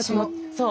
そう。